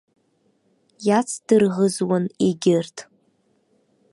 Иацдырӷызуан егьырҭ.